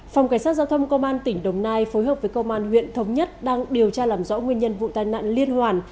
phòng cảnh sát giao thông công an tỉnh đồng nai phối hợp với công an huyện thống nhất đang điều tra làm rõ nguyên nhân vụ tai nạn liên hoàn